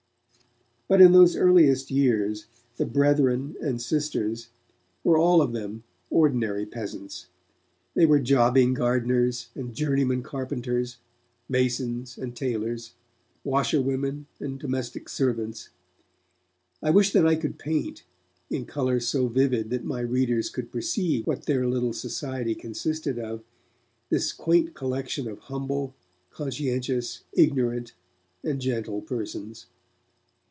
But in those earliest years the 'brethren' and 'sisters' were all of them ordinary peasants. They were jobbing gardeners and journeymen carpenters, masons and tailors, washerwomen and domestic servants. I wish that I could paint, in colours so vivid that my readers could perceive what their little society consisted of, this quaint collection of humble, conscientious, ignorant and gentle persons.